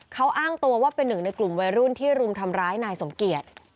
เขาอ้างตัวว่าเป็นหนึ่งในกลุ่มวัยรุ่นที่รุมทำร้ายนายสมเกียจ